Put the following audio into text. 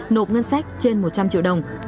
nộp ngân sách trên một trăm linh triệu đồng